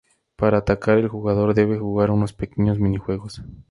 Para atacar, el jugador debe jugar unos pequeños minijuegos.